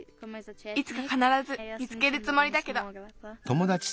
いつかかならず見つけるつもりだけど。